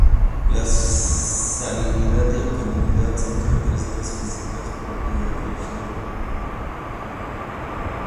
La salinidad y alcalinidad son características físicas propias de la región.